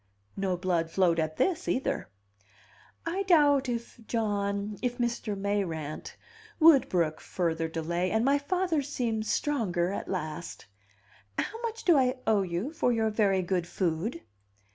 No blood flowed at this, either. "I doubt if John if Mr. Mayrant would brook further delay, and my father seems stronger, at last. How much do I owe you for your very good food?"